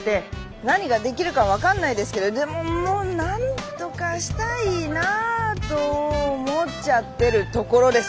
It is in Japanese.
何ができるか分かんないですけどでももうなんとかしたいなと思っちゃってるところです